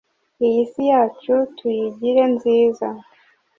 iyi si yacu tuyigire nziza